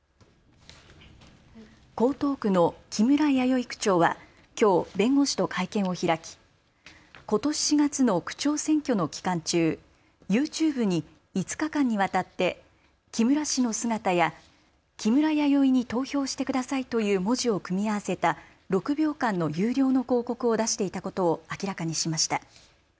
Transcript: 江東区の木村弥生区長はきょう弁護士と会見を開きことし４月の区長選挙の期間中、ＹｏｕＴｕｂｅに５日間にわたって木村氏の姿や木村やよいに投票してくださいという文字を組み合わせた６秒間の有料の広告を出していたことを明らかにしました。